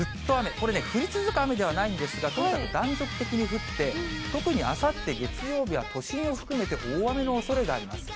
これ、降り続く雨ではないんですが、とにかく断続的に降って、特にあさって月曜日は都心を含めて大雨のおそれがあります。